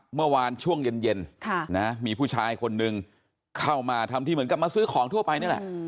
เมื่อวานช่วงเย็นมีผู้ชายคนนึงเข้ามาทำที่เหมือนกับมาซื้อของทั่วไปนี่แหละ